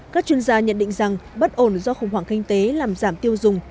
các chuyên gia nhận định rằng bất ổn do khủng hoảng kinh tế làm giảm tiêu dùng